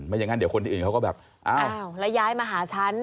อย่างนั้นเดี๋ยวคนอื่นเขาก็แบบอ้าวแล้วย้ายมาหาฉัน